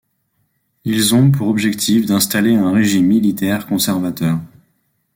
Ils ont pour objectif d'installer un régime militaire conservateur.